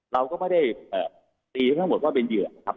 เราก็ไม่ได้ตีทั้งหมดว่าเป็นเหยื่อครับ